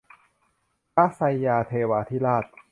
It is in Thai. พระไซย่าเทวาธิราช